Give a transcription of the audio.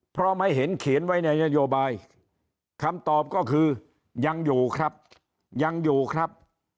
เพราะไม่เห็นเขียนไว้ในนโยบายคำตอบก็คือยังอยู่ครับยังอยู่ครับ